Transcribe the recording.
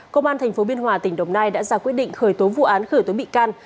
công an tp biên hòa tỉnh đồng nai đã ra quyết định khởi tố vụ án khởi tố bị can